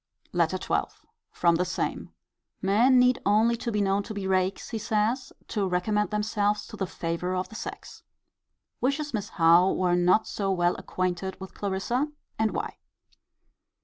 LETTER XII. From the same. Men need only be known to be rakes, he says, to recommend themselves to the favour of the sex. Wishes Miss Howe were not so well acquainted with Clarissa: and why.